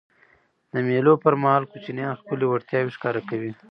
د مېلو پر مهال کوچنيان خپلي وړتیاوي ښکاره کوي.